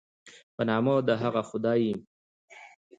په نامه د هغه خدای